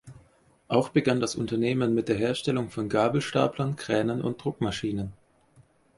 Auch begann das Unternehmen mit der Herstellung von Gabelstaplern, Kränen und Druckmaschinen.